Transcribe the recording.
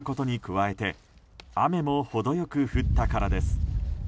暖かい日が続いたことに加えて雨も程良く降ったからです。